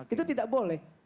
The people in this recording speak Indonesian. itu tidak boleh